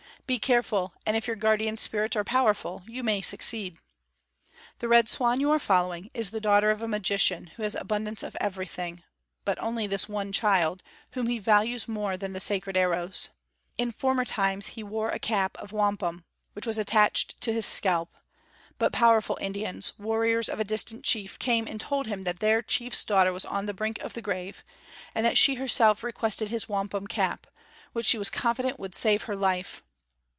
Be careful, and if your guardian spirits are powerful, you may succeed. This Red Swan you are following is the daughter of a magician who has abundance of everything, but only this one child, whom he values more than the sacred arrows. In former times he wore a cap of wampum, which was attached to his scalp; but powerful Indians, warriors of a distant chief, came and told him that their chief's daughter was on the brink of the grave, and that she herself requested his wampum cap, which she was confident would save her life.